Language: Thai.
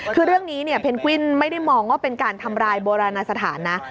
คือเรื่องนี้เนี่ยเพนกวินไม่ได้มองว่าเป็นการทำลายโบราณสถานนะ